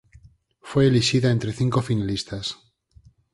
Foi elixida entre cinco finalistas.